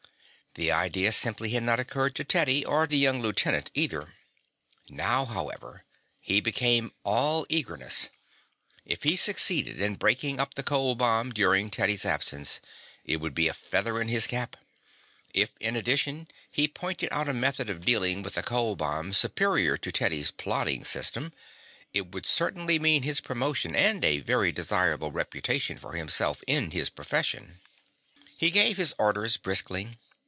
The idea simply had not occurred to Teddy, or the young lieutenant, either. Now, however, he became all eagerness. If he succeeded in breaking up the cold bomb during Teddy's absence it would be a feather in his cap. If, in addition, he pointed out a method of dealing with the cold bombs superior to Teddy's plodding system, it would certainly mean his promotion and a very desirable reputation for himself in his profession. He gave his orders briskly.